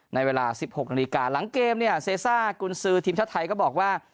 ในเวลา๑๖นาฬิกาหลังเกมเนี่ยเซซ่ากุญซือทีมชาติไทยก็บอกว่า